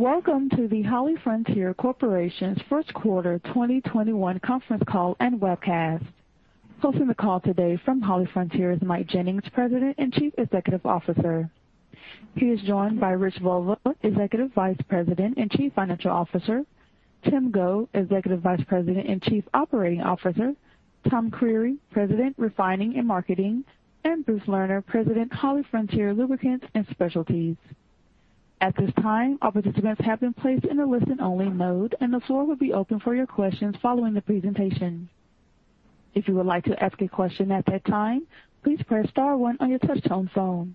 Welcome to the HollyFrontier Corporation's first quarter 2021 conference call and webcast. Hosting the call today from HollyFrontier is Mike Jennings, President and Chief Executive Officer. He is joined by Rich Voliva, Executive Vice President and Chief Financial Officer, Tim Go, Executive Vice President and Chief Operating Officer, Tom Creery, President, Refining and Marketing, and Bruce Lerner, President, HollyFrontier Lubricants & Specialties. At this time, all participants have been placed in a listen-only mode, and the floor will be open for your questions following the presentation. If you would like to ask a question at that time, please press star one on your touch-tone phone.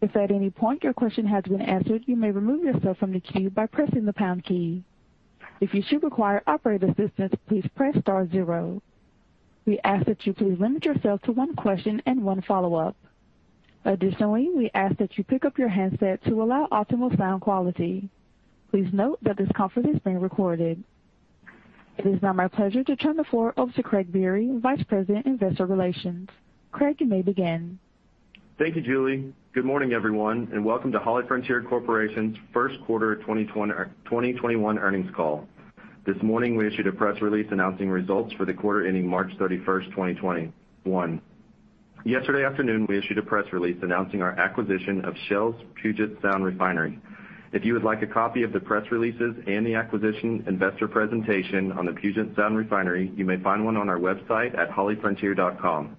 If at any point your question has been answered, you may remove yourself from the queue by pressing the pound key. If you should require operator assistance, please press star zero. We ask that you please limit yourself to one question and one follow-up. Additionally, we ask that you pick up your handset to allow optimal sound quality. Please note that this conference is being recorded. It is now my pleasure to turn the floor over to Craig Biery, Vice President, Investor Relations. Craig, you may begin. Thank you, Julie. Good morning, everyone, and welcome to HollyFrontier Corporation's first quarter 2021 earnings call. This morning, we issued a press release announcing results for the quarter ending March 31st, 2021. Yesterday afternoon, we issued a press release announcing our acquisition of Shell's Puget Sound refinery. If you would like a copy of the press releases and the acquisition investor presentation on the Puget Sound refinery, you may find one on our website at hollyfrontier.com.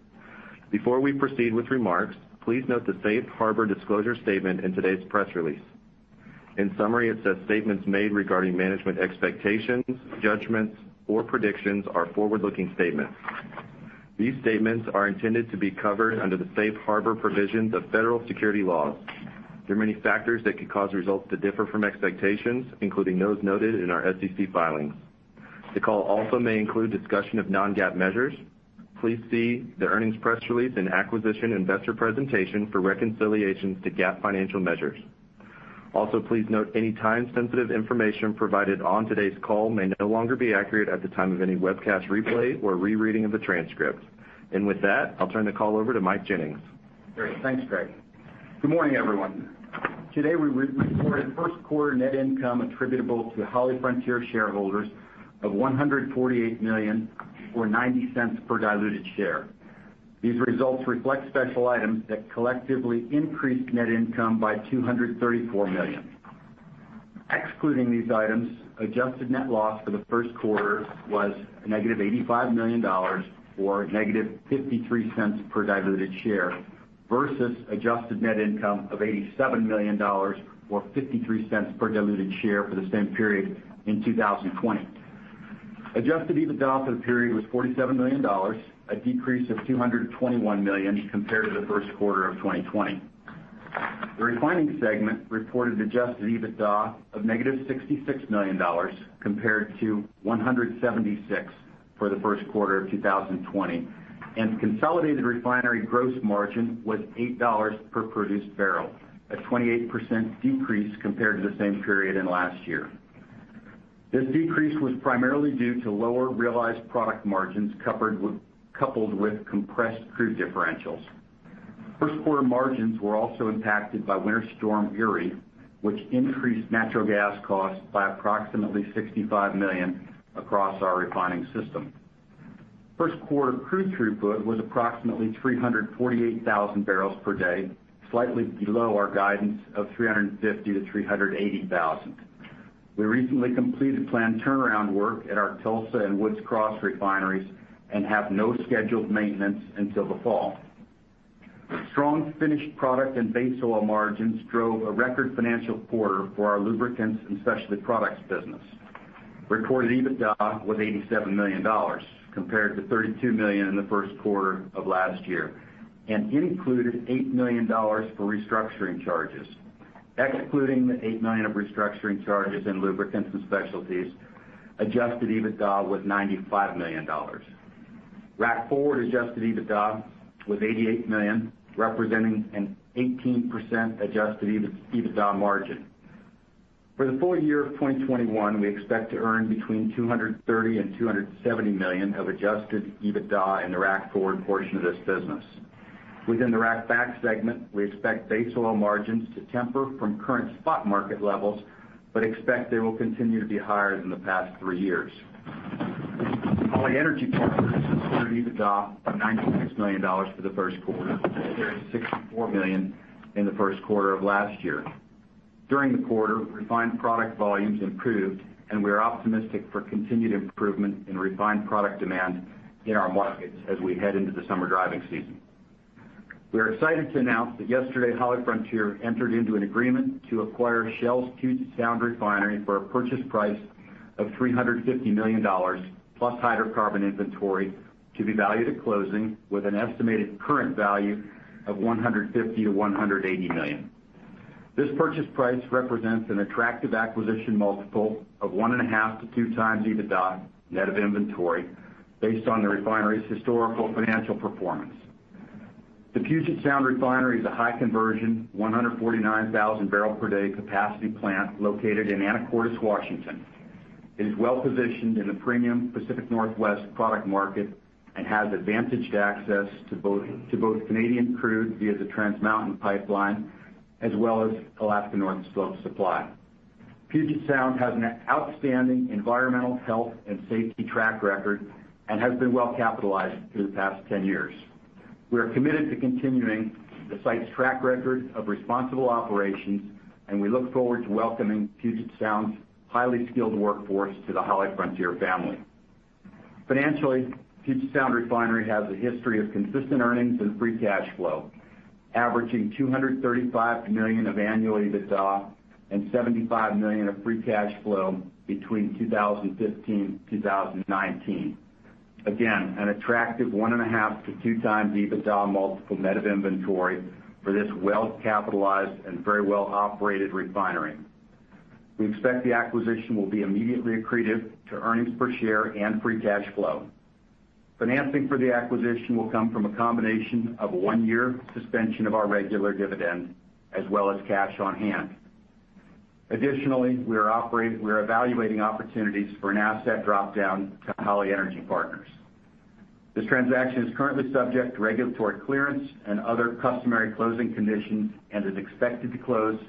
Before we proceed with remarks, please note the safe harbor disclosure statement in today's press release. In summary, it says statements made regarding management expectations, judgments, or predictions are forward-looking statements. These statements are intended to be covered under the safe harbor provisions of federal security laws. There are many factors that could cause results to differ from expectations, including those noted in our SEC filings. The call also may include discussion of non-GAAP measures. Please see the earnings press release and acquisition investor presentation for reconciliations to GAAP financial measures. Also, please note any time-sensitive information provided on today's call may no longer be accurate at the time of any webcast replay or rereading of the transcript. With that, I'll turn the call over to Mike Jennings. Great. Thanks, Craig. Good morning, everyone. Today, we reported first quarter net income attributable to HollyFrontier shareholders of $148 million or $0.90 per diluted share. These results reflect special items that collectively increased net income by $234 million. Excluding these items, adjusted net loss for the first quarter was a -$85 million or -$0.53 per diluted share versus adjusted net income of $87 million or $0.53 per diluted share for the same period in 2020. Adjusted EBITDA for the period was $47 million, a decrease of $221 million compared to the first quarter of 2020. The refining segment reported adjusted EBITDA of -$66 million compared to $176 million for the first quarter of 2020, and consolidated refinery gross margin was $8 per produced barrel, a 28% decrease compared to the same period in last year. This decrease was primarily due to lower realized product margins coupled with compressed crude differentials. First quarter margins were also impacted by Winter Storm Uri, which increased natural gas costs by approximately $65 million across our refining system. First quarter crude throughput was approximately 348,000 barrels per day, slightly below our guidance of 350,000 barrels-380,000 barrels. We recently completed planned turnaround work at our Tulsa and Woods Cross refineries and have no scheduled maintenance until the fall. Strong finished product and base oil margins drove a record financial quarter for our lubricants and specialty products business. Recorded EBITDA was $87 million, compared to $32 million in the first quarter of last year, and it included $8 million for restructuring charges. Excluding the $8 million of restructuring charges in lubricants and specialties, adjusted EBITDA was $95 million. Rack Forward adjusted EBITDA was $88 million, representing an 18% adjusted EBITDA margin. For the full year of 2021, we expect to earn between $230 million and $270 million of adjusted EBITDA in the Rack Forward portion of this business. Within the Rack Back segment, we expect base oil margins to temper from current spot market levels but expect they will continue to be higher than the past three years. Holly Energy Partners reported EBITDA of $96 million for the first quarter, compared to $64 million in the first quarter of last year. During the quarter, refined product volumes improved, and we are optimistic for continued improvement in refined product demand in our markets as we head into the summer driving season. We are excited to announce that yesterday, HollyFrontier entered into an agreement to acquire Shell's Puget Sound Refinery for a purchase price of $350 million plus hydrocarbon inventory to be valued at closing with an estimated current value of $150 million-$180 million. This purchase price represents an attractive acquisition multiple of 1.5x-2x EBITDA, net of inventory, based on the refinery's historical financial performance. The Puget Sound refinery is a high conversion, 149,000 barrel per day capacity plant located in Anacortes, Washington. It is well positioned in the premium Pacific Northwest product market and has advantaged access to both Canadian crude via the Trans Mountain pipeline as well as Alaska North Slope supply. Puget Sound has an outstanding environmental health and safety track record and has been well capitalized through the past 10 years. We are committed to continuing the site's track record of responsible operations, we look forward to welcoming Puget Sound's highly skilled workforce to the HollyFrontier family. Financially, Puget Sound Refinery has a history of consistent earnings and free cash flow, averaging $235 million of annual EBITDA and $75 million of free cash flow between 2015-2019. Again, an attractive 1.5x-2x EBITDA multiple net of inventory for this well-capitalized and very well-operated refinery. We expect the acquisition will be immediately accretive to earnings per share and free cash flow. Financing for the acquisition will come from a combination of a one-year suspension of our regular dividend as well as cash on hand. Additionally, we are evaluating opportunities for an asset dropdown to Holly Energy Partners. This transaction is currently subject to regulatory clearance and other customary closing conditions and is expected to close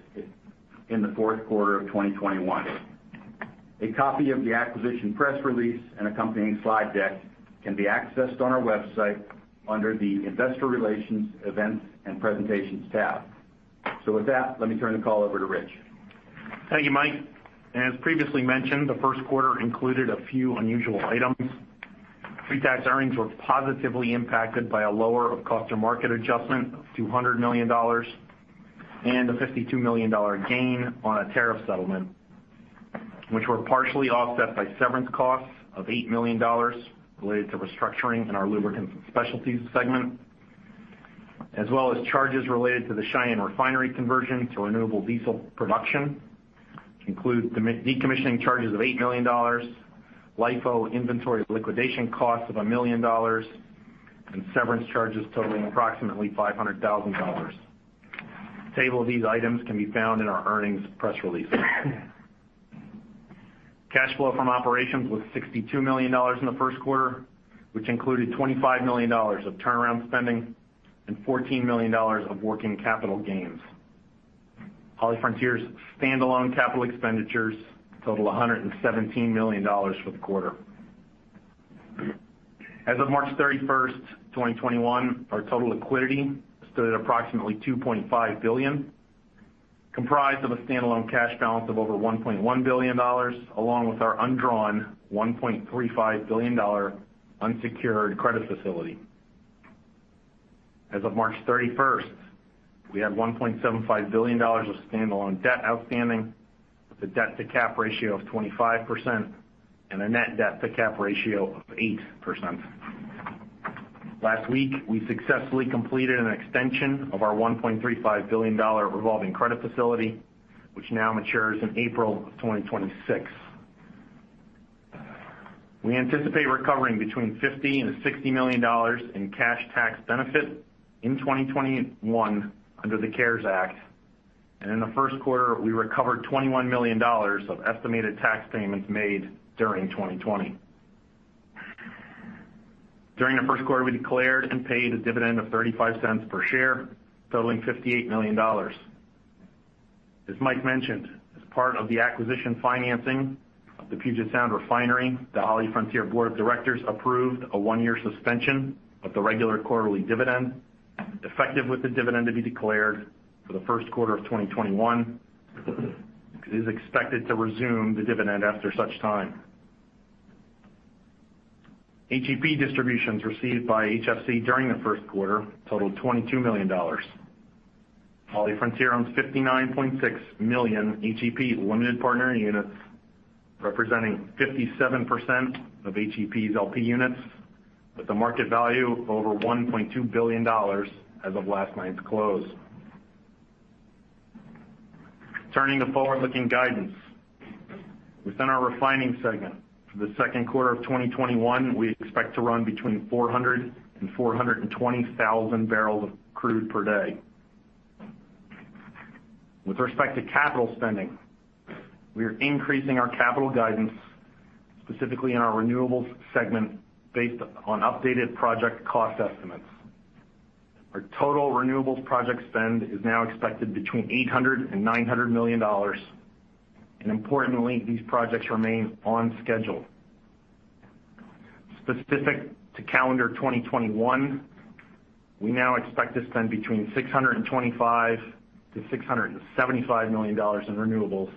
in the fourth quarter of 2021. A copy of the acquisition press release and accompanying slide deck can be accessed on our website under the Investor Relations Events and Presentations tab. With that, let me turn the call over to Rich. Thank you, Mike. As previously mentioned, the first quarter included a few unusual items. Pretax earnings were positively impacted by a lower of cost or market adjustment of $200 million and a $52 million gain on a tariff settlement, which were partially offset by severance costs of $8 million related to restructuring in our HollyFrontier Lubricants & Specialties segment, as well as charges related to the Cheyenne refinery conversion to renewable diesel production, which include decommissioning charges of $8 million, LIFO inventory liquidation costs of $1 million, and severance charges totaling approximately $500,000. A table of these items can be found in our earnings press release. Cash flow from operations was $62 million in the first quarter, which included $25 million of turnaround spending and $14 million of working capital gains. HollyFrontier's standalone capital expenditures total $117 million for the quarter. As of March 31st, 2021, our total liquidity stood at approximately $2.5 billion, comprised of a standalone cash balance of over $1.1 billion, along with our undrawn $1.35 billion unsecured credit facility. As of March 31st, we had $1.75 billion of standalone debt outstanding with a debt-to-cap ratio of 25% and a net debt-to-cap ratio of 8%. Last week, we successfully completed an extension of our $1.35 billion revolving credit facility, which now matures in April 2026. We anticipate recovering between $50 million and $60 million in cash tax benefit in 2021 under the CARES Act, and in the first quarter, we recovered $21 million of estimated tax payments made during 2020. During the first quarter, we declared and paid a dividend of $0.35 per share, totaling $58 million. As Mike mentioned, as part of the acquisition financing of the Puget Sound refinery, the HollyFrontier board of directors approved a one-year suspension of the regular quarterly dividend, effective with the dividend to be declared for the first quarter of 2021. It is expected to resume the dividend after such time. HEP distributions received by HFC during the first quarter totaled $22 million. HollyFrontier owns 59.6 million HEP limited partner units, representing 57% of HEP's LP units with a market value of over $1.2 billion as of last night's close. Turning to forward-looking guidance. Within our Refining segment, for the second quarter of 2021, we expect to run between 400,000 and 420,000 barrels of crude per day. With respect to capital spending, we are increasing our capital guidance, specifically in our Renewables segment, based on updated project cost estimates. Our total renewables project spend is now expected between $800 million and $900 million. Importantly, these projects remain on schedule. Specific to calendar 2021, we now expect to spend $625 million-$675 million in renewables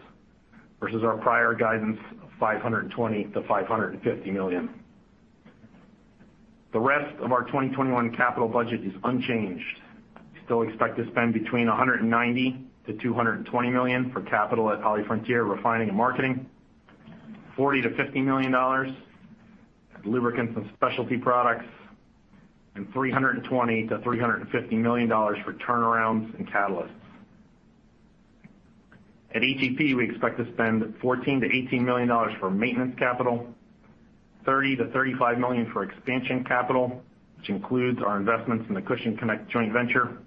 versus our prior guidance of $520 million-$550 million. The rest of our 2021 capital budget is unchanged. We still expect to spend $190 million-$220 million for capital at HollyFrontier Refining and Marketing, $40 million-$50 million at Lubricants and Specialty Products, and $320 million-$350 million for turnarounds and catalysts. HEP, we expect to spend $14 million-$18 million for maintenance capital, $30 million-$35 million for expansion capital, which includes our investments in the Cushing Connect joint venture.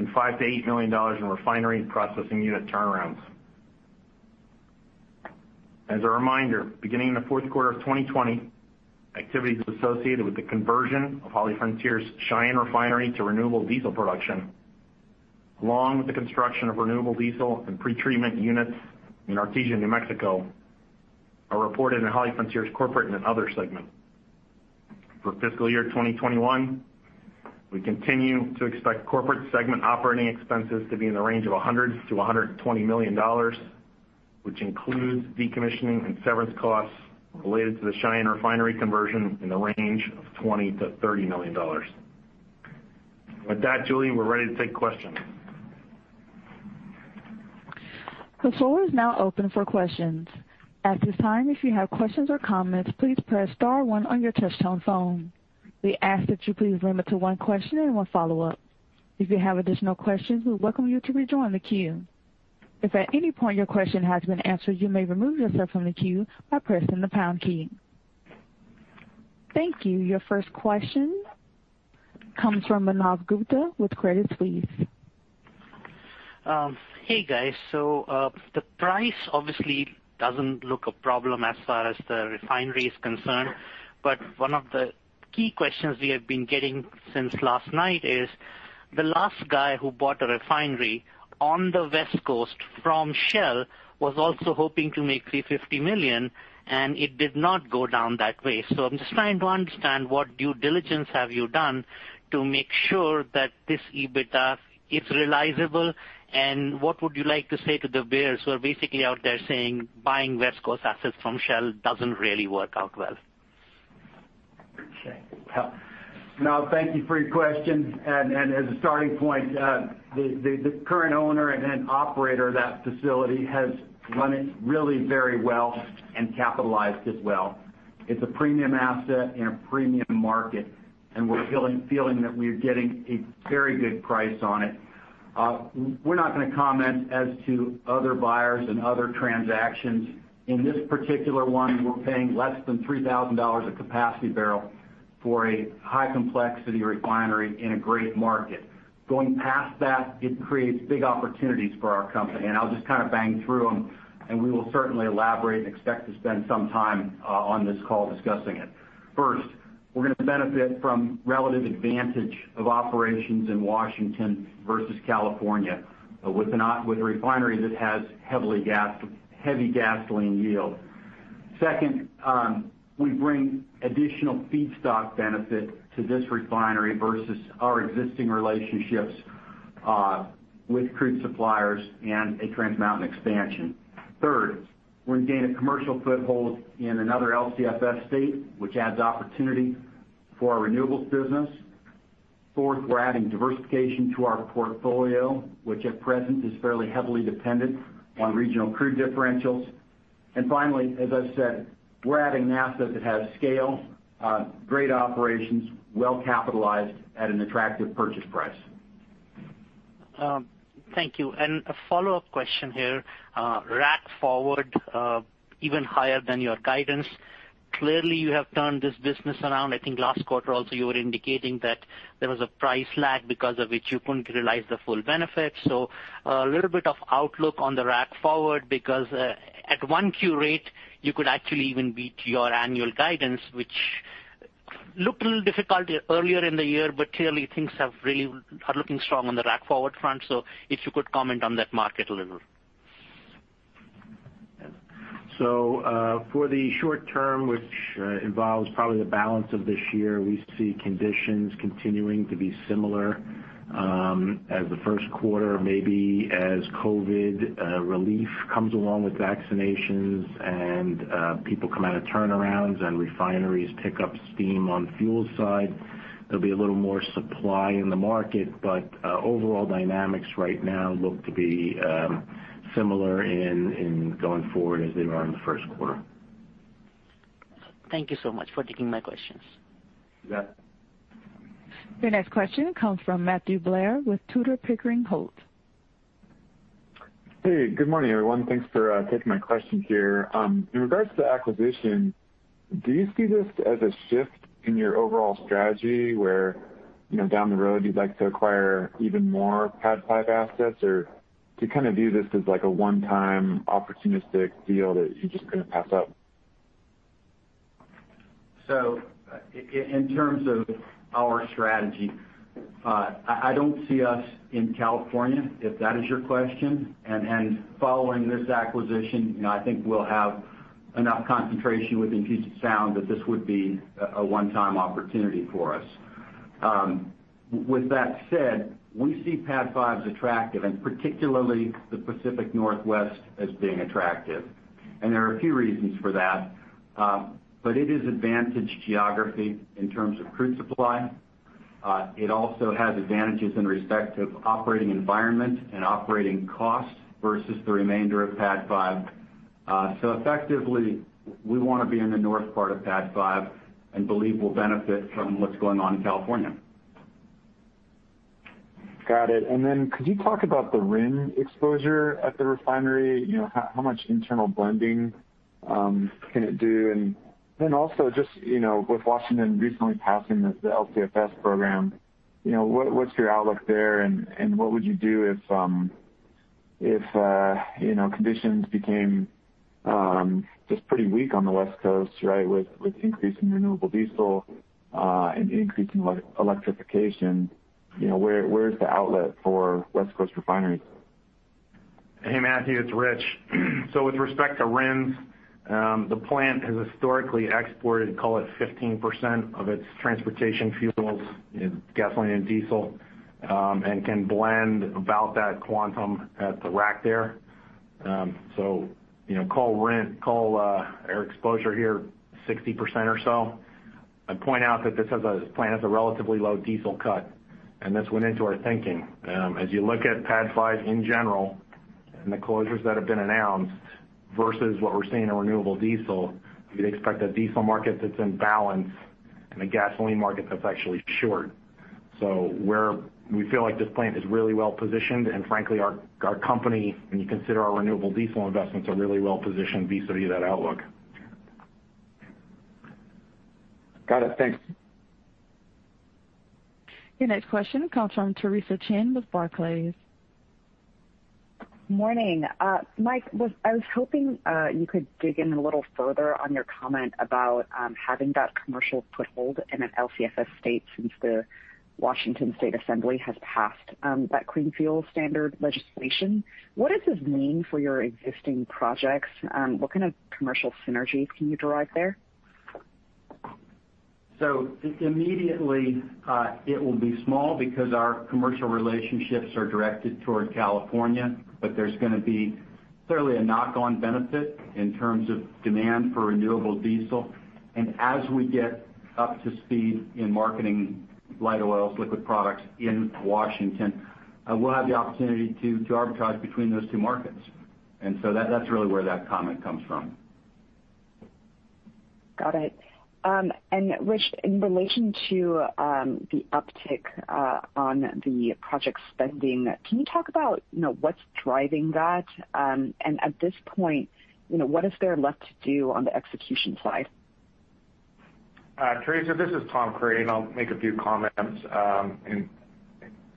$5 million-$8 million in refinery and processing unit turnarounds. As a reminder, beginning in the fourth quarter of 2020, activities associated with the conversion of HollyFrontier's Cheyenne refinery to renewable diesel production, along with the construction of renewable diesel and pretreatment units in Artesia, New Mexico, are reported in HollyFrontier's corporate and other segment. For fiscal year 2021, we continue to expect corporate segment operating expenses to be in the range of $100 million-$120 million, which includes decommissioning and severance costs related to the Cheyenne refinery conversion in the range of $20 million-$30 million. With that, Julie, we're ready to take questions. The floor is now open for questions. At this time, if you have questions or comments, please press star one on your touch-tone phone. We ask that you please limit to one question and one follow-up. If you have additional questions, we welcome you to rejoin the queue. If at any point your question has been answered, you may remove yourself from the queue by pressing the pound key. Thank you. Your first question comes from Manav Gupta with Credit Suisse. Hey, guys. The price obviously doesn't look a problem as far as the refinery is concerned. One of the key questions we have been getting since last night is, the last guy who bought a refinery on the West Coast from Shell was also hoping to make $350 million, and it did not go down that way. I'm just trying to understand what due diligence have you done to make sure that this EBITDA is realizable, and what would you like to say to the bears who are basically out there saying buying West Coast assets from Shell doesn't really work out well? Okay, well, Manav, thank you for your question. As a starting point, the current owner and operator of that facility has run it really very well and capitalized it well. It's a premium asset in a premium market, we're feeling that we are getting a very good price on it. We're not gonna comment as to other buyers and other transactions. In this particular one, we're paying less than $3,000 a capacity barrel for a high-complexity refinery in a great market. Going past that, it creates big opportunities for our company, I'll just kind of bang through them, we will certainly elaborate and expect to spend some time on this call discussing it. First, we're gonna benefit from relative advantage of operations in Washington versus California with a refinery that has heavy gasoline yield. Second, we bring additional feedstock benefit to this refinery versus our existing relationships with crude suppliers and a Trans Mountain expansion. Third, we're gonna gain a commercial foothold in another LCFS state, which adds opportunity for our renewables business. Fourth, we're adding diversification to our portfolio, which at present is fairly heavily dependent on regional crude differentials. Finally, as I said, we're adding an asset that has scale, great operations, well-capitalized at an attractive purchase price. Thank you. A follow-up question here. Rack Forward even higher than your guidance. Clearly, you have turned this business around. I think last quarter also, you were indicating that there was a price lag because of which you couldn't realize the full benefit. A little bit of outlook on the Rack Forward, because, at 1Q rate, you could actually even beat your annual guidance, which looked a little difficult earlier in the year. Clearly things are looking strong on the Rack Forward front. If you could comment on that market a little. For the short term, which involves probably the balance of this year, we see conditions continuing to be similar as the first quarter, maybe as COVID relief comes along with vaccinations and people come out of turnarounds and refineries pick up steam on fuel side. There'll be a little more supply in the market, but overall dynamics right now look to be similar in going forward as they were in the first quarter. Thank you so much for taking my questions. You bet. Your next question comes from Matthew Blair with Tudor, Pickering Holt. Hey, good morning, everyone. Thanks for taking my question here. In regards to acquisition, do you see this as a shift in your overall strategy where down the road you'd like to acquire even more PADD 5 assets? Do you kind of view this as like a one-time opportunistic deal that you just couldn't pass up? In terms of our strategy, I don't see us in California, if that is your question. Following this acquisition, I think we'll have enough concentration within Puget Sound that this would be a one-time opportunity for us. With that said, we see PADD 5 attractive and particularly the Pacific Northwest as being attractive. There are a few reasons for that. It is advantaged geography in terms of crude supply. It also has advantages in respect of operating environment and operating cost versus the remainder of PADD 5. Effectively, we want to be in the north part of PADD 5 and believe we'll benefit from what's going on in California. Got it. Then could you talk about the RIN exposure at the refinery? How much internal blending Can it do? Also just with Washington recently passing the LCFS program, what's your outlook there and what would you do if conditions became just pretty weak on the West Coast, right? With increasing renewable diesel, and increasing electrification, where's the outlet for West Coast refineries? Hey, Matthew, it's Rich. With respect to RINs, the plant has historically exported, call it 15% of its transportation fuels in gasoline and diesel, and can blend about that quantum at the rack there. Call RIN, call our exposure here 60% or so. I'd point out that this plant has a relatively low diesel cut, and this went into our thinking. As you look at PADD 5 in general and the closures that have been announced versus what we're seeing in renewable diesel, you could expect a diesel market that's in balance and a gasoline market that's actually short. We feel like this plant is really well-positioned, and frankly, our company, when you consider our renewable diesel investments, are really well positioned vis-a-vis that outlook. Got it. Thanks. Your next question comes from Theresa Chen with Barclays. Morning. Mike, I was hoping you could dig in a little further on your comment about having that commercial foothold in an LCFS state since the Washington State Legislature has passed that Clean Fuel Standard legislation. What does this mean for your existing projects? What kind of commercial synergies can you derive there? Immediately, it will be small because our commercial relationships are directed toward California, but there's going to be clearly a knock-on benefit in terms of demand for renewable diesel. As we get up to speed in marketing light oils, liquid products in Washington, we'll have the opportunity to arbitrage between those two markets. That's really where that comment comes from. Got it. Rich, in relation to the uptick on the project spending, can you talk about what's driving that? At this point, what is there left to do on the execution side? Theresa Chen, this is Tom Creery. I'll make a few comments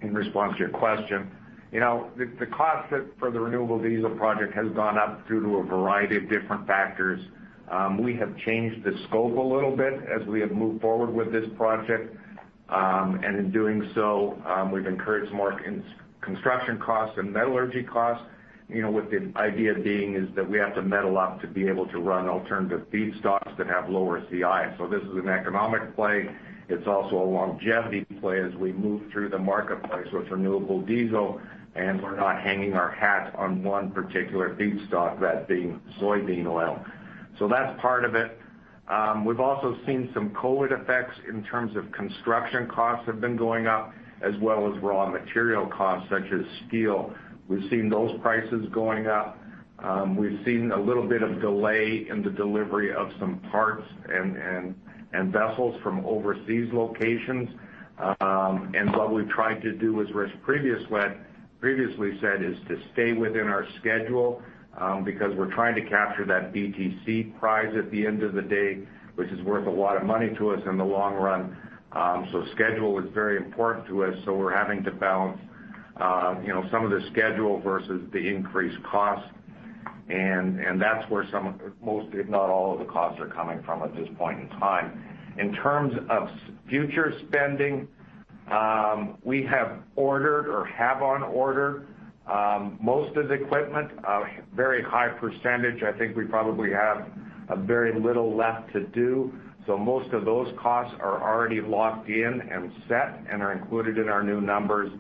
in response to your question. The cost for the renewable diesel project has gone up due to a variety of different factors. We have changed the scope a little bit as we have moved forward with this project. In doing so, we've incurred more construction costs and metallurgy costs with the idea being is that we have to metal up to be able to run alternative feedstocks that have lower CI. This is an economic play. It's also a longevity play as we move through the marketplace with renewable diesel. We're not hanging our hat on one particular feedstock, that being soybean oil. That's part of it. We've also seen some COVID effects in terms of construction costs have been going up as well as raw material costs such as steel. We've seen those prices going up. We've seen a little bit of delay in the delivery of some parts and vessels from overseas locations. What we've tried to do, as Rich previously said, is to stay within our schedule, because we're trying to capture that BTC prize at the end of the day, which is worth a lot of money to us in the long run. Schedule is very important to us. We're having to balance some of the schedule versus the increased cost, and that's where most, if not all, of the costs are coming from at this point in time. In terms of future spending, we have ordered or have on order, most of the equipment, a very high percentage. I think we probably have very little left to do. Most of those costs are already locked in and set and are included in our new numbers.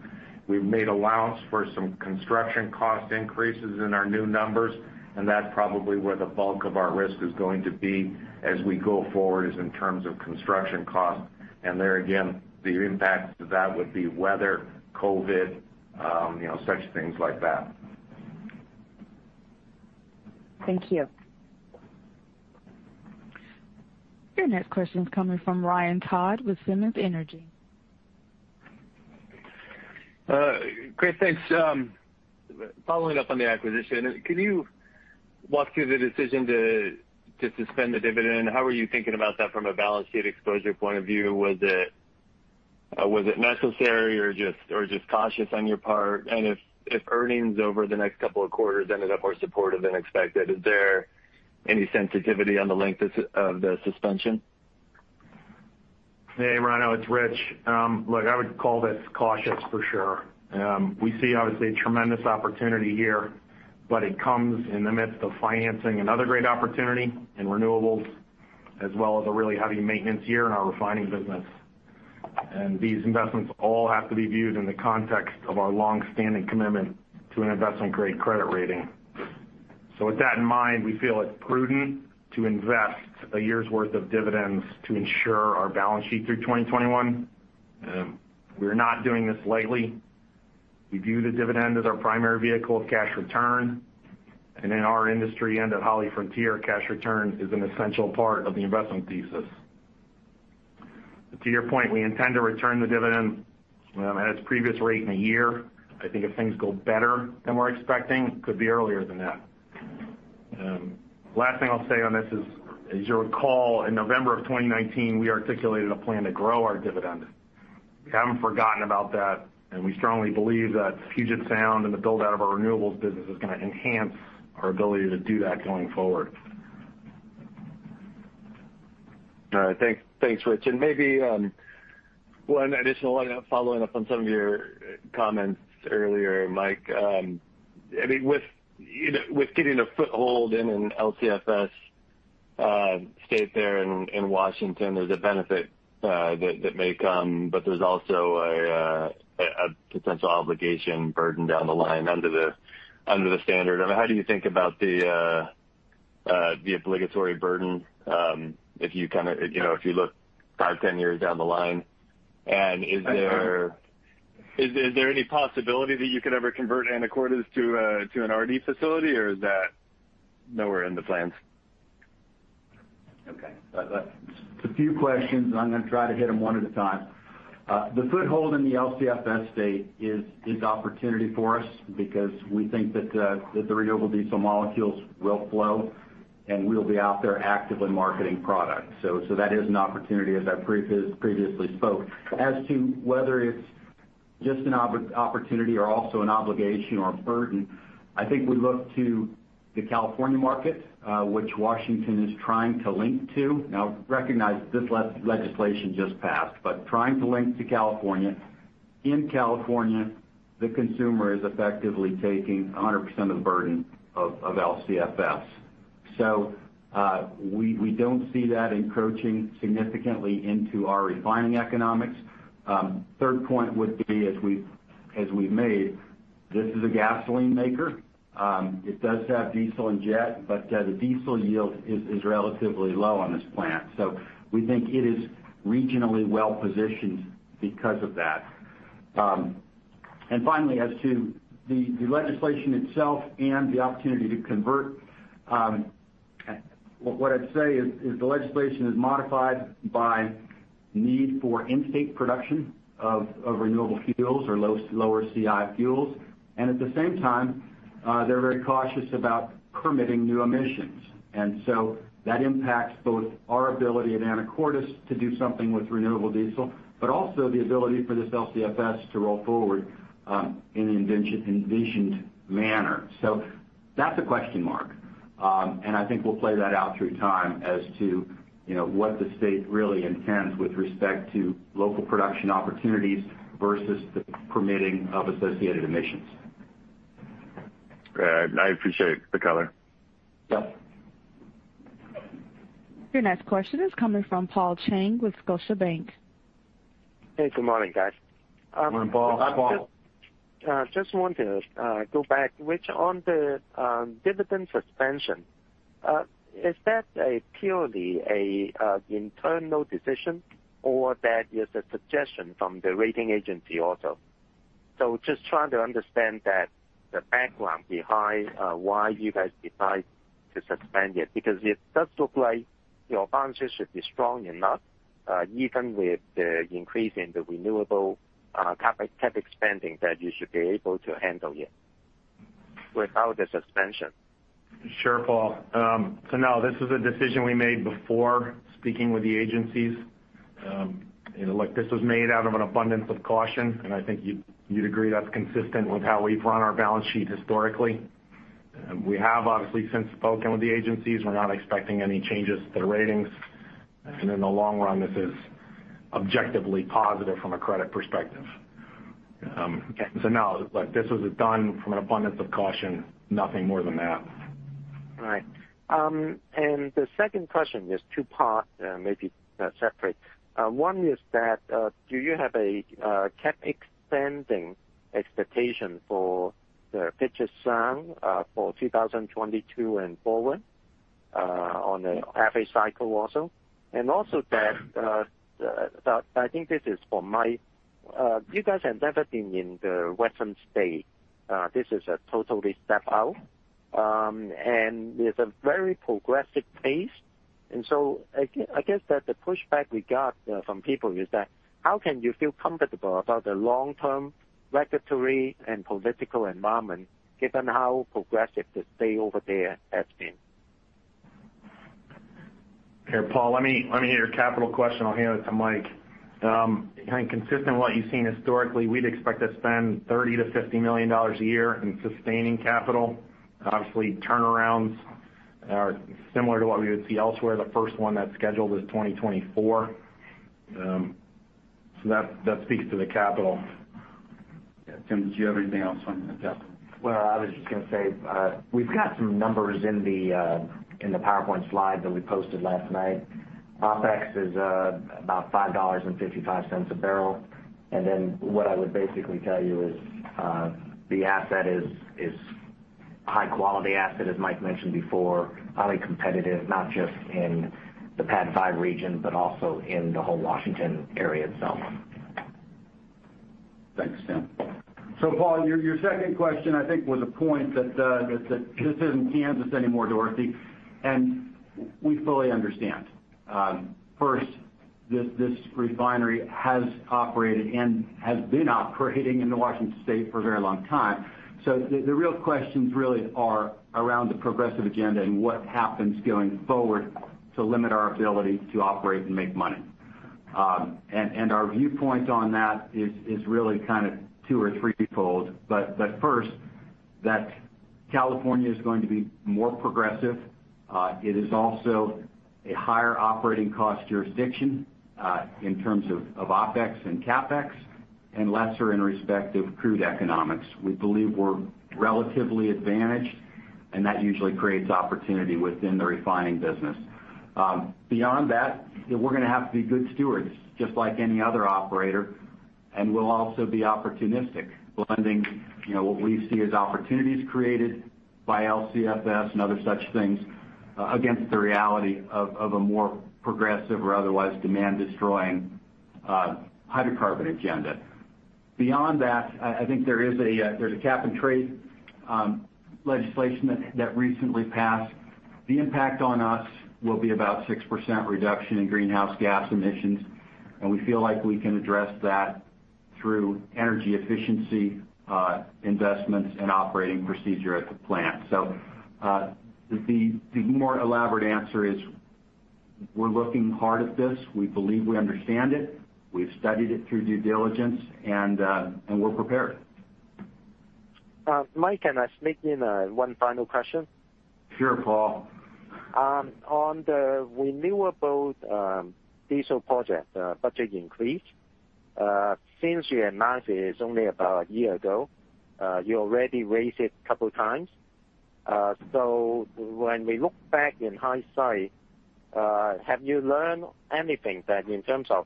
We've made allowance for some construction cost increases in our new numbers, and that's probably where the bulk of our risk is going to be as we go forward, is in terms of construction costs. There again, the impact of that would be weather, COVID, such things like that. Thank you. Your next question is coming from Ryan Todd with Simmons Energy. Great. Thanks. Following up on the acquisition, can you walk through the decision to suspend the dividend? How are you thinking about that from a balance sheet exposure point of view? Was it necessary or just cautious on your part? If earnings over the next couple of quarters ended up more supportive than expected, is there any sensitivity on the length of the suspension? Hey, Ryan, it's Rich. Look, I would call this cautious for sure. We see, obviously, a tremendous opportunity here, but it comes in the midst of financing another great opportunity in renewables, as well as a really heavy maintenance year in our refining business. These investments all have to be viewed in the context of our long-standing commitment to an investment-grade credit rating. With that in mind, we feel it prudent to invest a year's worth of dividends to ensure our balance sheet through 2021. We are not doing this lightly. We view the dividend as our primary vehicle of cash return. In our industry and at HollyFrontier, cash return is an essential part of the investment thesis. To your point, we intend to return the dividend at its previous rate in a year. I think if things go better than we're expecting, could be earlier than that. Last thing I'll say on this is, as you'll recall, in November of 2019, we articulated a plan to grow our dividend. We haven't forgotten about that, and we strongly believe that Puget Sound and the build-out of our renewables business is going to enhance our ability to do that going forward. All right. Thanks, Rich. Maybe one additional one following up on some of your comments earlier, Mike. With getting a foothold in an LCFS state there in Washington, there's a benefit that may come, but there's also a potential obligation burden down the line under the standard. How do you think about the obligatory burden, if you look five, 10 years down the line? Is there any possibility that you could ever convert Anacortes to an RD facility, or is that nowhere in the plans? Okay. A few questions, and I'm going to try to hit them one at a time. The foothold in the LCFS state is opportunity for us because we think that the renewable diesel molecules will flow, and we'll be out there actively marketing product. That is an opportunity, as I previously spoke. As to whether it's just an opportunity or also an obligation or a burden, I think we look to the California market, which Washington is trying to link to. Now, recognize that this legislation just passed, but trying to link to California. In California, the consumer is effectively taking 100% of the burden of LCFS. We don't see that encroaching significantly into our refining economics. Third point would be, as we've made, this is a gasoline maker. It does have diesel and jet, but the diesel yield is relatively low on this plant. We think it is regionally well-positioned because of that. Finally, as to the legislation itself and the opportunity to convert, what I'd say is the legislation is modified by need for in-state production of renewable fuels or lower CI fuels. At the same time, they're very cautious about permitting new emissions. That impacts both our ability at Anacortes to do something with renewable diesel, but also the ability for this LCFS to roll forward in the envisioned manner. That's a question mark. I think we'll play that out through time as to what the state really intends with respect to local production opportunities versus the permitting of associated emissions. Great. I appreciate the color. Yep. Your next question is coming from Paul Cheng with Scotiabank. Hey, good morning, guys. Good morning, Paul. Hi, Paul. Want to go back, Rich, on the dividend suspension? Is that purely an internal decision or that is a suggestion from the rating agency also? Just trying to understand the background behind why you guys decide to suspend it, because it does look like your balances should be strong enough, even with the increase in the renewable CapEx, that you should be able to handle it without the suspension. Sure, Paul. No, this is a decision we made before speaking with the agencies. Look, this was made out of an abundance of caution, and I think you'd agree that's consistent with how we've run our balance sheet historically. We have obviously since spoken with the agencies. We're not expecting any changes to the ratings. In the long run, this is objectively positive from a credit perspective. No, look, this was done from an abundance of caution, nothing more than that. Right. The second question is two parts, maybe separate. One is that, do you have a CapEx expectation for the Puget Sound for 2022 and forward on the CapEx cycle also? Also that, I think this is for Mike. You guys have never been in the western state. This is a totally step out, and there's a very progressive pace. I guess that the pushback we got from people is that, how can you feel comfortable about the long-term regulatory and political environment, given how progressive the state over there has been? Okay, Paul Cheng, let me hear your capital question. I'll hand it to Mike Jennings. I think consistent with what you've seen historically, we'd expect to spend $30 million-$50 million a year in sustaining capital. Obviously, turnarounds are similar to what we would see elsewhere. The first one that's scheduled is 2024. That speaks to the capital. Tim Go, did you have anything else on that? Well, I was just going to say, we've got some numbers in the PowerPoint slide that we posted last night. OPEX is about $5.55 a barrel. What I would basically tell you is the asset is high quality asset, as Mike mentioned before, highly competitive, not just in the PADD 5 region, but also in the whole Washington area itself. Thanks, Tim. Paul, your second question, I think, was a point that this isn't Kansas anymore, Dorothy, and we fully understand. First, this refinery has operated and has been operating in Washington State for a very long time. The real questions really are around the progressive agenda and what happens going forward to limit our ability to operate and make money. Our viewpoint on that is really two or threefold. First, that California is going to be more progressive. It is also a higher operating cost jurisdiction in terms of OpEx and CapEx and lesser in respect of crude economics. We believe we're relatively advantaged. That usually creates opportunity within the refining business. Beyond that, we're going to have to be good stewards, just like any other operator. We'll also be opportunistic, blending what we see as opportunities created by LCFS and other such things against the reality of a more progressive or otherwise demand-destroying hydrocarbon agenda. Beyond that, I think there's a cap and trade legislation that recently passed. The impact on us will be about 6% reduction in greenhouse gas emissions. We feel like we can address that through energy efficiency investments and operating procedure at the plant. The more elaborate answer is we're looking hard at this. We believe we understand it. We've studied it through due diligence. We're prepared. Mike, can I sneak in one final question? Sure, Paul. On the renewable diesel project budget increase, since you announced it's only about one year ago. You already raised it two times. When we look back in hindsight, have you learned anything in terms of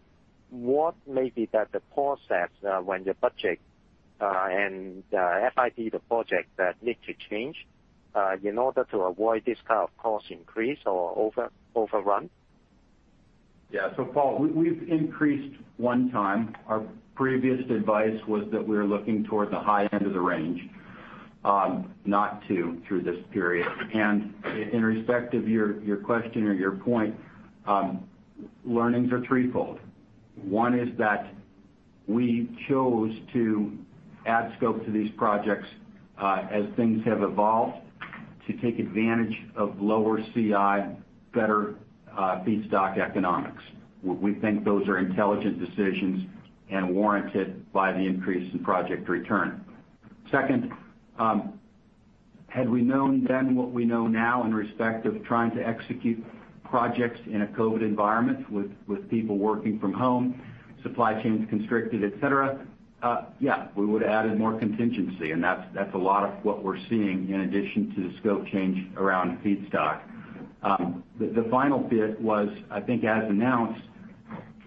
what may be that the process when the budget and the FID the project that need to change in order to avoid this kind of cost increase or overrun? Yeah. Paul, we've increased one time. Our previous advice was that we were looking toward the high end of the range, not two through this period. In respect of your question or your point, learnings are threefold. One is that we chose to add scope to these projects as things have evolved to take advantage of lower CI, better feedstock economics. We think those are intelligent decisions and warranted by the increase in project return. Second, had we known then what we know now in respect of trying to execute projects in a COVID environment with people working from home, supply chains constricted, et cetera, yeah, we would've added more contingency, and that's a lot of what we're seeing in addition to the scope change around feedstock. The final bit was, I think as announced,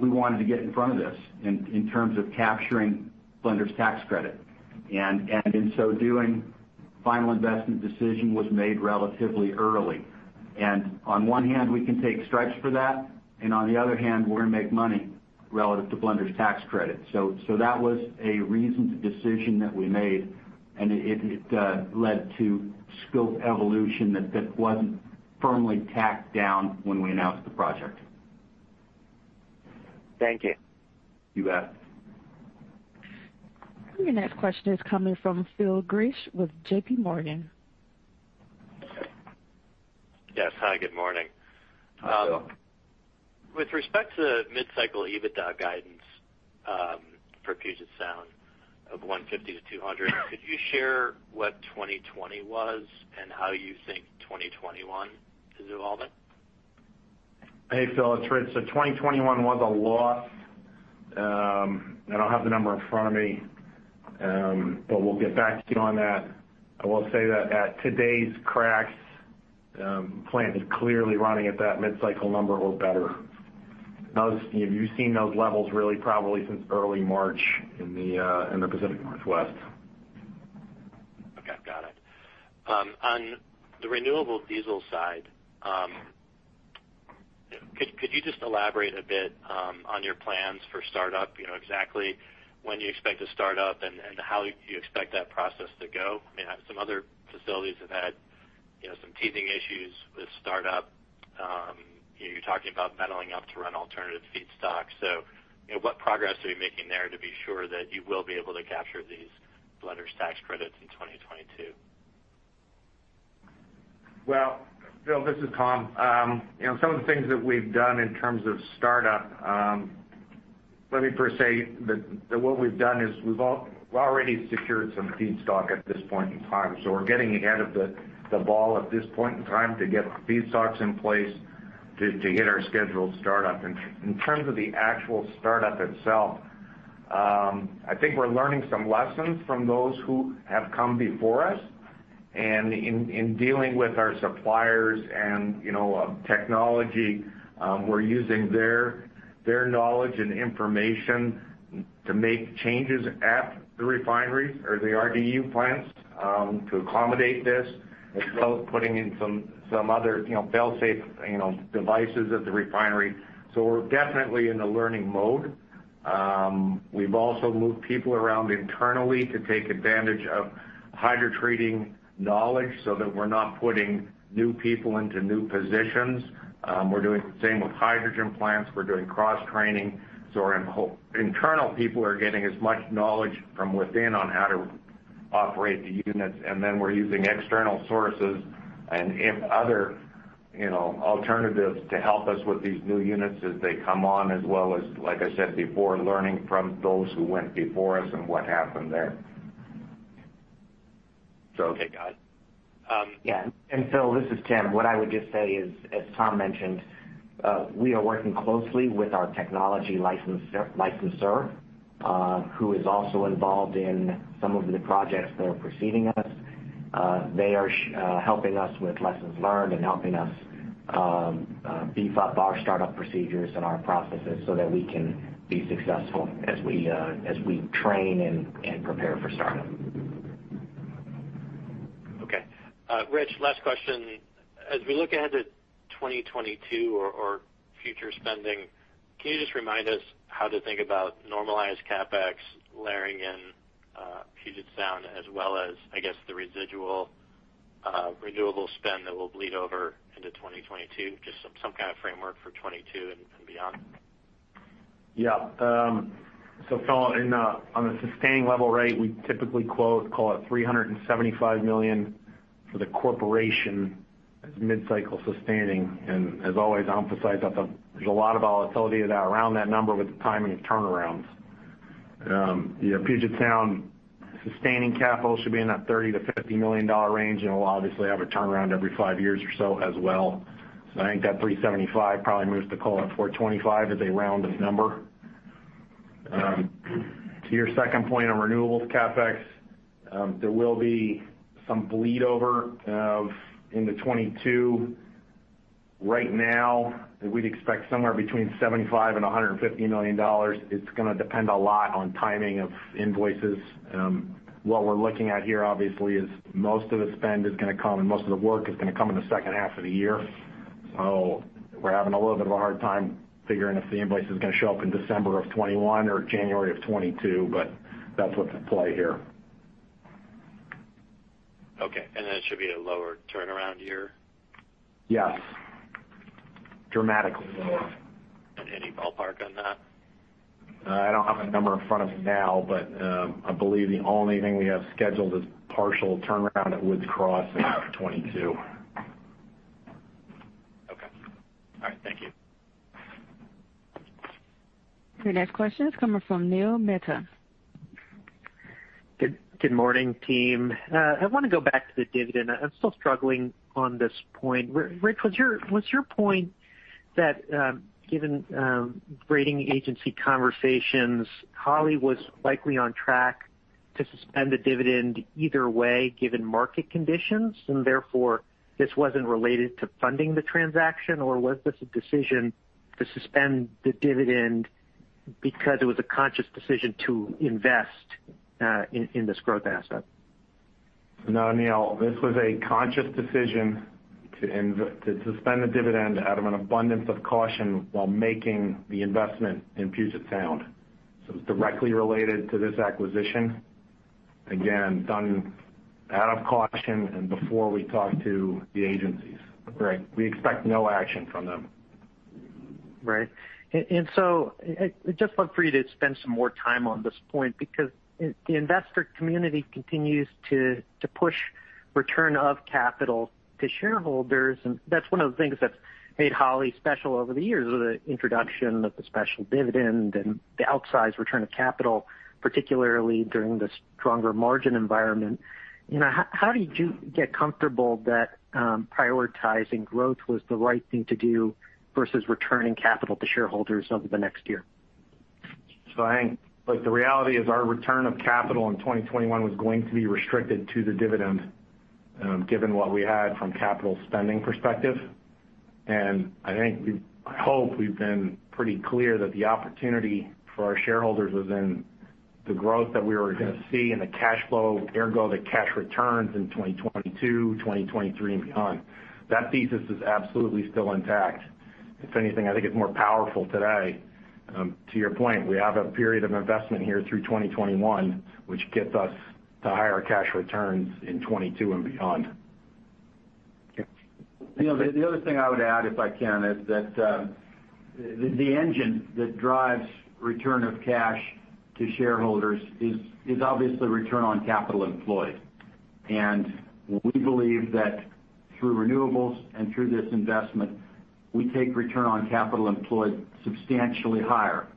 we wanted to get in front of this in terms of capturing Blenders Tax Credit. In so doing, Final Investment Decision was made relatively early. On one hand, we can take stripes for that, and on the other hand, we're going to make money relative to Blenders Tax Credit. That was a reasoned decision that we made, and it led to scope evolution that wasn't firmly tacked down when we announced the project. Thank you. You bet. Your next question is coming from Phil Gresh with JPMorgan. Yes. Hi, good morning. Hi, Phil. With respect to mid-cycle EBITDA guidance for Puget Sound of $150-$200, could you share what 2020 was and how you think 2021 is evolving? Hey, Phil, it's Rich. 2021 was a loss. I don't have the number in front of me, but we'll get back to you on that. I will say that at today's cracks, the plant is clearly running at that mid-cycle number or better. You've seen those levels really probably since early March in the Pacific Northwest. Okay, got it. On the renewable diesel side, could you just elaborate a bit on your plans for startup, exactly when you expect to start up and how you expect that process to go? Some other facilities have had some teething issues with startup. You're talking about metaling up to run alternative feedstock. What progress are you making there to be sure that you will be able to capture these Blenders Tax Credits in 2022? Well, Phil, this is Tom. Some of the things that we've done in terms of startup, let me first say that what we've done is we've already secured some feedstock at this point in time. We're getting ahead of the ball at this point in time to get feedstocks in place to hit our scheduled startup. In terms of the actual startup itself, I think we're learning some lessons from those who have come before us, and in dealing with our suppliers and technology, we're using their knowledge and information to make changes at the refinery or the RDU plants to accommodate this. As well as putting in some other fail-safe devices at the refinery. We're definitely in a learning mode. We've also moved people around internally to take advantage of hydrotreating knowledge so that we're not putting new people into new positions. We're doing the same with hydrogen plants. We're doing cross-training. Our internal people are getting as much knowledge from within on how to operate the units, and then we're using external sources and other alternatives to help us with these new units as they come on, as well as, like I said before, learning from those who went before us and what happened there. Tim Go? Okay, got it. Yeah. Phil Gresh, this is Tim Go. What I would just say is, as Tom Creery mentioned, we are working closely with our technology licensor, who is also involved in some of the projects that are preceding us. They are helping us with lessons learned and helping us beef up our startup procedures and our processes so that we can be successful as we train and prepare for startup. Okay. Rich, last question. As we look ahead to 2022 or future spending, can you just remind us how to think about normalized CapEx layering in Puget Sound as well as, I guess, the residual renewable spend that will bleed over into 2022? Just some kind of framework for 2022 and beyond. Phil, on a sustaining level rate, we typically call it $375 million for the corporation as mid-cycle sustaining, and as always, emphasize that there's a lot of volatility around that number with the timing of turnarounds. Puget Sound sustaining capital should be in that $30 million-$50 million range, and we'll obviously have a turnaround every five years or so as well. I think that $375 probably moves to call it $425 as a roundest number. To your second point on renewables CapEx, there will be some bleed over into 2022. Right now, we'd expect somewhere between $75 million-$150 million. It's going to depend a lot on timing of invoices. What we're looking at here, obviously, is most of the spend is going to come, and most of the work is going to come in the second half of the year. We're having a little bit of a hard time figuring if the invoice is going to show up in December of 2021 or January of 2022, but that's what's at play here. Okay. It should be a lower turnaround year? Yes. Dramatically lower. Any ballpark on that? I don't have a number in front of me now, but I believe the only thing we have scheduled is partial turnaround at Woods Cross in 2022. Okay. All right. Thank you. Your next question is coming from Neil Mehta. Good morning, team. I want to go back to the dividend. I'm still struggling on this point. Rich, was your point that given rating agency conversations, Holly was likely on track to suspend the dividend either way, given market conditions? Therefore, this wasn't related to funding the transaction? Was this a decision to suspend the dividend because it was a conscious decision to invest in this growth asset? No, Neil, this was a conscious decision to suspend the dividend out of an abundance of caution while making the investment in Puget Sound. It's directly related to this acquisition. Again, done out of caution and before we talk to the agencies. We expect no action from them. Right. I'd just love for you to spend some more time on this point because the investor community continues to push return of capital to shareholders, and that's one of the things that's made Holly special over the years, with the introduction of the special dividend and the outsized return of capital, particularly during the stronger margin environment. How did you get comfortable that prioritizing growth was the right thing to do versus returning capital to shareholders over the next year? I think, look, the reality is our return of capital in 2021 was going to be restricted to the dividend given what we had from capital spending perspective. I hope we've been pretty clear that the opportunity for our shareholders is in the growth that we were going to see and the cash flow, ergo, the cash returns in 2022, 2023 and beyond. That thesis is absolutely still intact. If anything, I think it's more powerful today. To your point, we have a period of investment here through 2021, which gets us to higher cash returns in 2022 and beyond. Okay. Neil, the other thing I would add, if I can, is that the engine that drives return of cash to shareholders is obviously return on capital employed. We believe that through renewables and through this investment, we take return on capital employed substantially higher.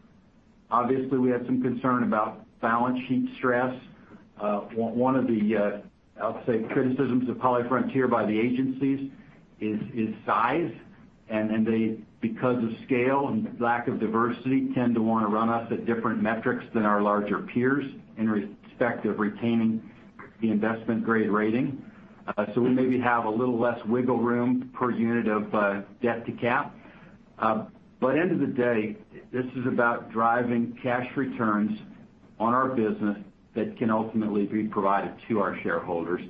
Obviously, we had some concern about balance sheet stress. One of the, I'll say, criticisms of HollyFrontier by the agencies is size, and they, because of scale and lack of diversity, tend to want to run us at different metrics than our larger peers in respect of retaining the investment grade rating. We maybe have a little less wiggle room per unit of debt to cap. At the end of the day, this is about driving cash returns on our business that can ultimately be provided to our shareholders.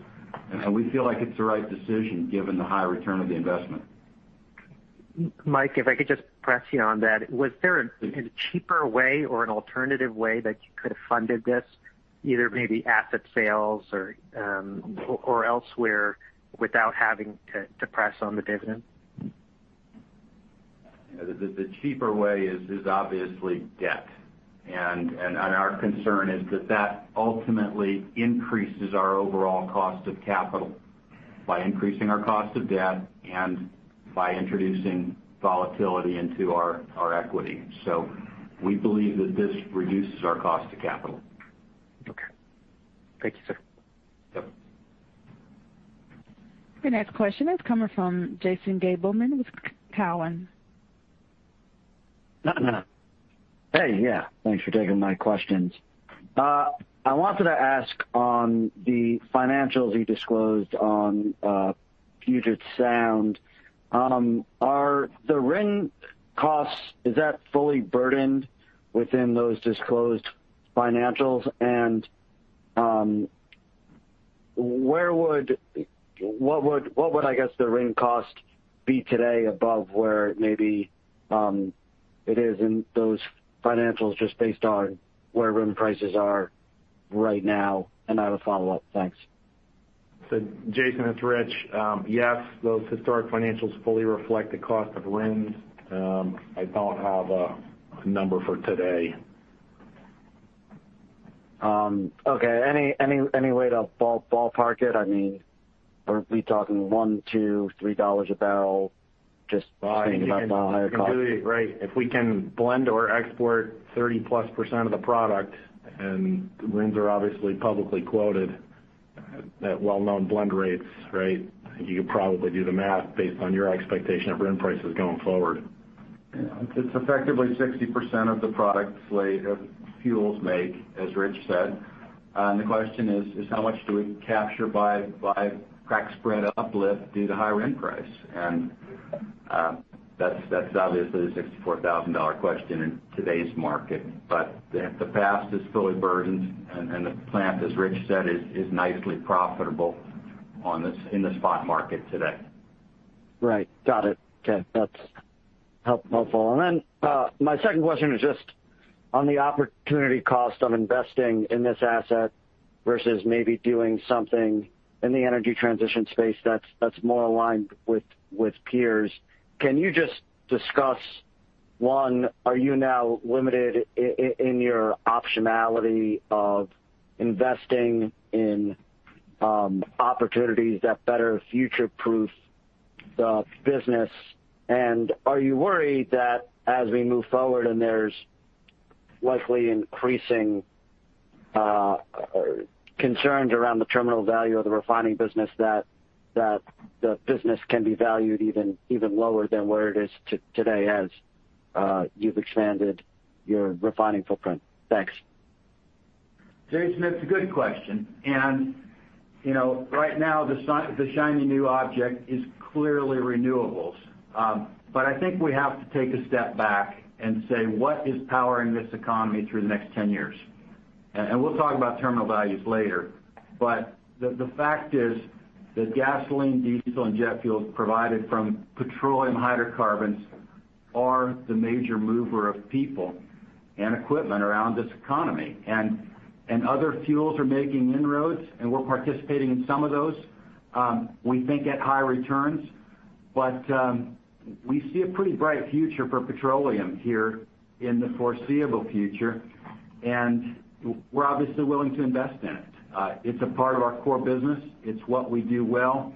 We feel like it's the right decision given the high return of the investment. Mike, if I could just press you on that. Was there a cheaper way or an alternative way that you could have funded this, either maybe asset sales or elsewhere without having to press on the dividend? The cheaper way is obviously debt. Our concern is that ultimately increases our overall cost of capital by increasing our cost of debt and by introducing volatility into our equity. We believe that this reduces our cost to capital. Okay. Thank you, sir. Yep. Your next question is coming from Jason Gabelman with Cowen. Hey, yeah. Thanks for taking my questions. I wanted to ask on the financials you disclosed on Puget Sound. Are the RIN costs, is that fully burdened within those disclosed financials? What would, I guess, the RIN cost be today above where maybe it is in those financials just based on where RIN prices are right now? I have a follow-up. Thanks. Jason, it's Rich. Yes, those historic financials fully reflect the cost of RINs. I don't have a number for today. Okay. Any way to ballpark it? Are we talking $1, $2, $3 a barrel? Just thinking about the higher cost. If we can blend or export 30+ % of the product, and RINs are obviously publicly quoted at well-known blend rates, right? You could probably do the math based on your expectation of RIN prices going forward. It's effectively 60% of the product slate fuels make, as Rich said. The question is how much do we capture by crack spread uplift due to higher RIN price? That's obviously the $64,000 question in today's market. The past is fully burdened, and the plant, as Rich said, is nicely profitable in the spot market today. Right. Got it. Okay. That's helpful. Then my second question is just on the opportunity cost of investing in this asset versus maybe doing something in the energy transition space that's more aligned with peers. Can you just discuss, one, are you now limited in your optionality of investing in opportunities that better future-proof the business? And are you worried that as we move forward and there's likely increasing concerns around the terminal value of the refining business, that the business can be valued even lower than where it is today as you've expanded your refining footprint? Thanks. Jason, that's a good question. Right now the shiny new object is clearly renewables. I think we have to take a step back and say, what is powering this economy through the next 10 years? We'll talk about terminal values later. The fact is that gasoline, diesel, and jet fuels provided from petroleum hydrocarbons are the major mover of people and equipment around this economy. Other fuels are making inroads, and we're participating in some of those. We think at high returns, but we see a pretty bright future for petroleum here in the foreseeable future, and we're obviously willing to invest in it. It's a part of our core business. It's what we do well,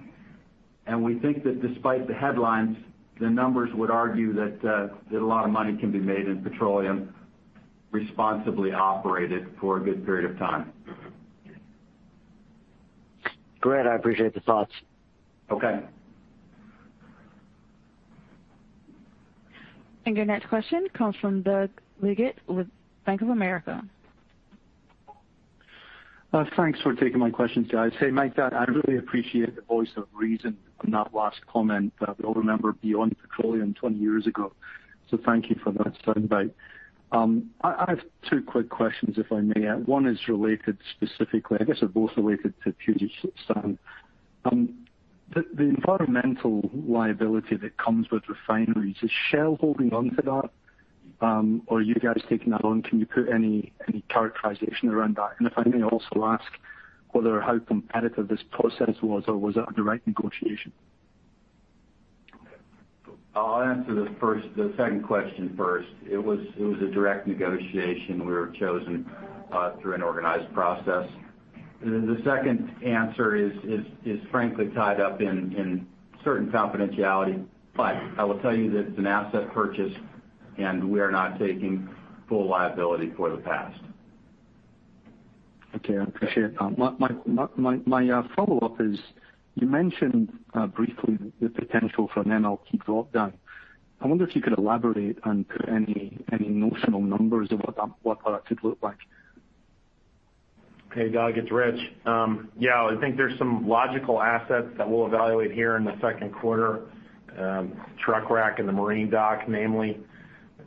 and we think that despite the headlines, the numbers would argue that a lot of money can be made in petroleum responsibly operated for a good period of time. Great. I appreciate the thoughts. Okay. Your next question comes from Doug Leggate with Bank of America. Thanks for taking my questions, guys. Hey, Mike, I really appreciate the voice of reason on that last comment. We all remember beyond petroleum 20 years ago. Thank you for that insight. I have two quick questions, if I may. One is related specifically, I guess they're both related, to Puget Sound. The environmental liability that comes with refineries, is Shell holding on to that? Are you guys taking that on? Can you put any characterization around that? If I may also ask whether how competitive this process was or was it a direct negotiation? I'll answer the second question first. It was a direct negotiation. We were chosen through an organized process. The second answer is frankly tied up in certain confidentiality, but I will tell you that it's an asset purchase, and we are not taking full liability for the past. Okay. I appreciate that, Mike. My follow-up is, you mentioned briefly the potential for an MLP drop-down. I wonder if you could elaborate on any notional numbers of what that could look like. Hey, Doug, it's Rich. Yeah, I think there's some logical assets that we'll evaluate here in the second quarter. Truck rack and the marine dock namely.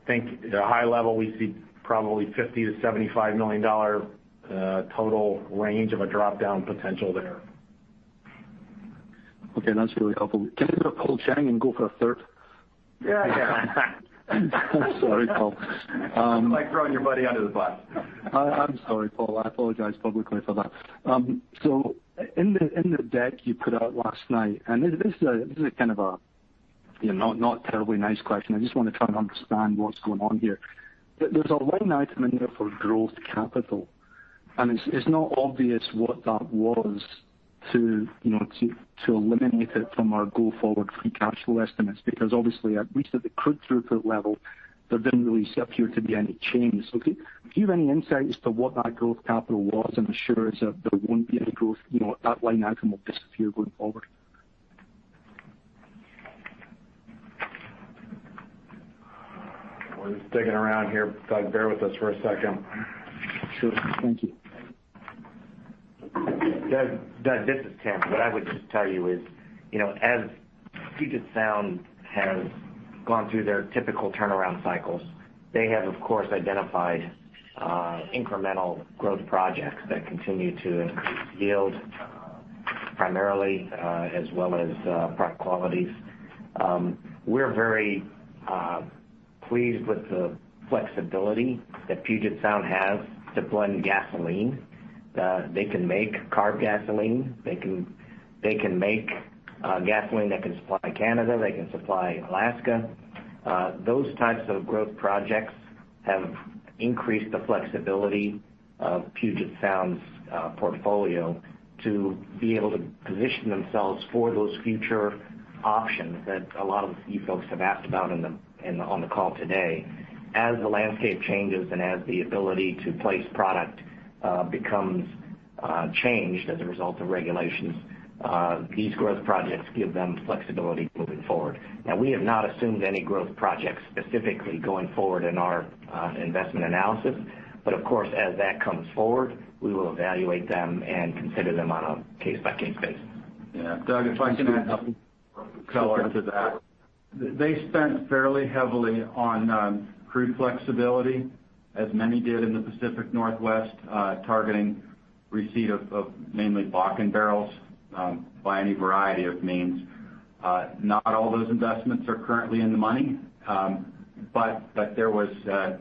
I think at a high level, we see probably $50 million-$75 million total range of a drop-down potential there. Okay, that's really helpful. Can I go to Paul Cheng and go for a third? Yeah. I'm sorry, Paul. Nothing like throwing your buddy under the bus. I'm sorry, Paul. I apologize publicly for that. In the deck you put out last night, this is a kind of a not terribly nice question. I just want to try and understand what's going on here. There's a line item in there for growth capital, and it's not obvious what that was to eliminate it from our go-forward free cash flow estimates. Obviously reached at the crude throughput level, there didn't really appear to be any change. Do you have any insight as to what that growth capital was and assurance that there won't be any growth, that line item will disappear going forward? We're just digging around here, Doug. Bear with us for a second. Sure. Thank you. Doug, this is Tim. What I would just tell you is, as Puget Sound has gone through their typical turnaround cycles, they have, of course, identified incremental growth projects that continue to increase yield primarily, as well as product qualities. We're very pleased with the flexibility that Puget Sound has to blend gasoline. They can make CARB gasoline. They can make gasoline that can supply Canada. They can supply Alaska. Those types of growth projects have increased the flexibility of Puget Sound's portfolio to be able to position themselves for those future options that a lot of you folks have asked about on the call today. As the landscape changes and as the ability to place product becomes changed as a result of regulations, these growth projects give them flexibility moving forward. Now, we have not assumed any growth projects specifically going forward in our investment analysis. Of course, as that comes forward, we will evaluate them and consider them on a case-by-case basis. Yeah. Doug, if I can add some color to that. They spent fairly heavily on crude flexibility, as many did in the Pacific Northwest, targeting receipt of mainly Bakken barrels, by any variety of means. Not all those investments are currently in the money. There was $60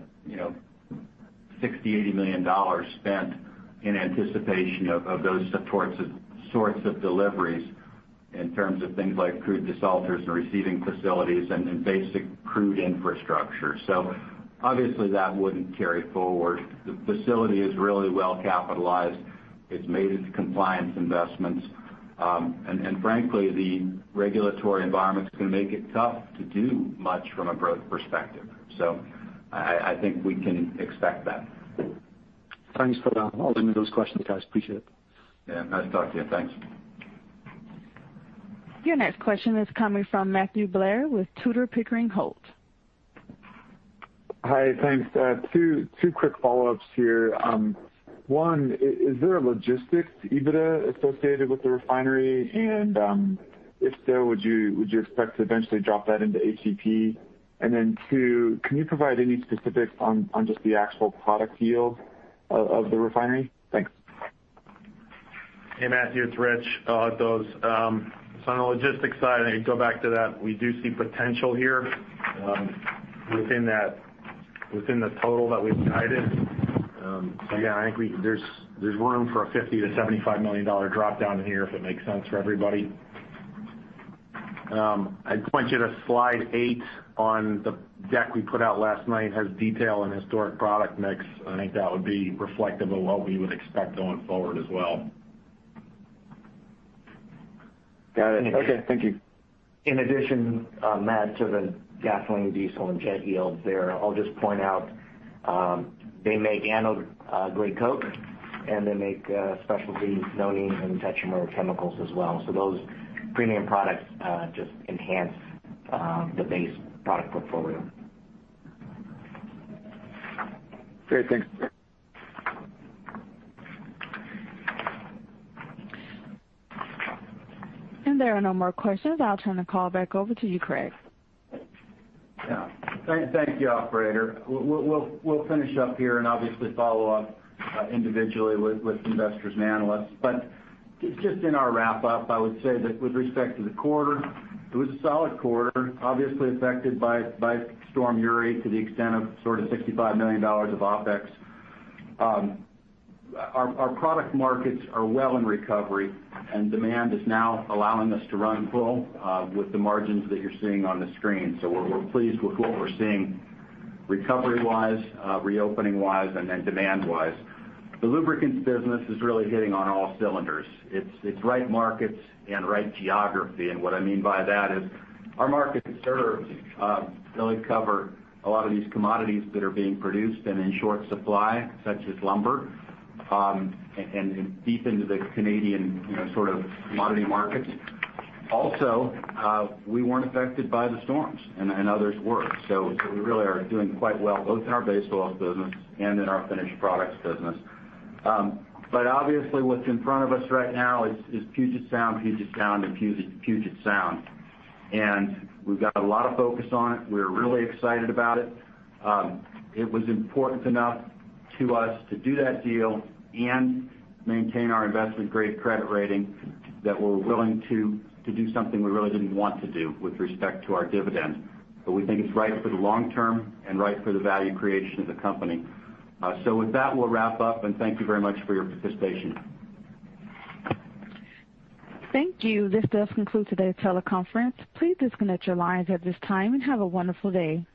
million-$80 million spent in anticipation of those sorts of deliveries in terms of things like crude desalters and receiving facilities and basic crude infrastructure. Obviously, that wouldn't carry forward. The facility is really well capitalized. It's made its compliance investments. Frankly, the regulatory environment's going to make it tough to do much from a growth perspective. I think we can expect that. Thanks for that. I'll leave those questions, guys. Appreciate it. Yeah, nice to talk to you. Thanks. Your next question is coming from Matthew Blair with Tudor, Pickering, Holt. Hi. Thanks. Two quick follow-ups here. One, is there a logistics EBITDA associated with the refinery? If so, would you expect to eventually drop that into HEP? Two, can you provide any specifics on just the actual product yield of the refinery? Thanks. Hey, Matthew, it's Rich. On the logistics side, I can go back to that. We do see potential here within the total that we've guided. Yeah, I think there's room for a $50 million-$75 million drop-down here if it makes sense for everybody. I'd point you to slide eight on the deck we put out last night, has detail on historic product mix. I think that would be reflective of what we would expect going forward as well. Got it. Okay. Thank you. In addition, Matt, to the gasoline, diesel, and jet yield there, I'll just point out, they make anode-grade coke, and they make specialty nonene and tetramer chemicals as well. Those premium products just enhance the base product portfolio. Great. Thanks. There are no more questions. I'll turn the call back over to you, Craig. Thank you, operator. We'll finish up here and obviously follow up individually with investors and analysts. Just in our wrap-up, I would say that with respect to the quarter, it was a solid quarter, obviously affected by Winter Storm Uri to the extent of sort of $65 million of OpEx. Our product markets are well in recovery, demand is now allowing us to run full with the margins that you're seeing on the screen. We're pleased with what we're seeing recovery-wise, reopening-wise, demand-wise. The lubricants business is really hitting on all cylinders. It's right markets and right geography, and what I mean by that is our markets served really cover a lot of these commodities that are being produced and in short supply, such as lumber, and deep into the Canadian commodity markets. Also, we weren't affected by the storms, and others were. We really are doing quite well, both in our base oil business and in our finished products business. Obviously, what's in front of us right now is Puget Sound, Puget Sound, and Puget Sound. We've got a lot of focus on it. We're really excited about it. It was important enough to us to do that deal and maintain our investment-grade credit rating that we're willing to do something we really didn't want to do with respect to our dividend. We think it's right for the long term and right for the value creation of the company. With that, we'll wrap up, and thank you very much for your participation. Thank you. This does conclude today's teleconference. Please disconnect your lines at this time, and have a wonderful day.